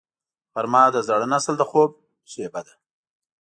غرمه د زاړه نسل د خوب شیبه ده